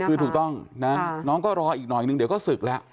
คือถูกต้องนะน้องก็รออีกหน่อยนึงเดี๋ยวก็ศึกแล้ว